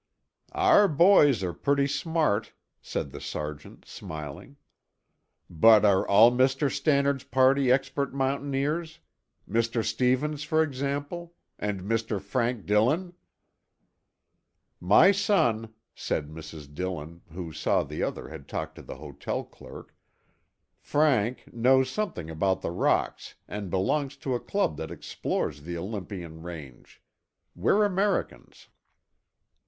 "Our boys are pretty smart," said the sergeant, smiling. "But are all Mr. Stannard's party expert mountaineers? Mr. Stevens, for example? And Mr. Frank Dillon?" "My son," said Mrs. Dillon, who saw the other had talked to the hotel clerk. "Frank knows something about the rocks and belongs to a club that explores the Olympian range. We're Americans."